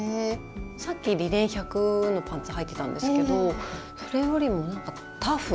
さっきリネン１００のパンツはいてたんですけどそれよりもなんかタフ？